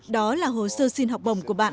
đó là hồ sơ xin học bổng của bạn